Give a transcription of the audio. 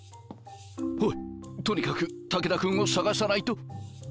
おいとにかく武田君を捜さないと。